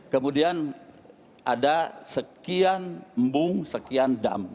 kemudian ada sekian embung sekian dam